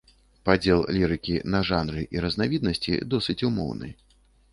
Падзел лірыкі на жанры і разнавіднасці досыць умоўны.